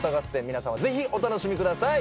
皆さまぜひお楽しみください。